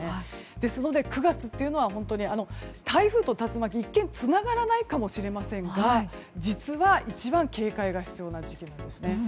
ですので９月は台風と竜巻、一見つながらないかもしれませんが実は一番警戒が必要な時期なんですね。